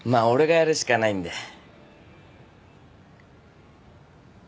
俺がやるしかないんで。